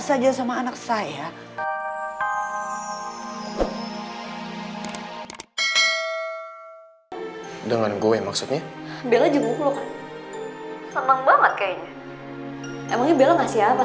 saja sama anak saya dengan gue maksudnya bella juga semangat kayaknya emangnya belah ngasih apa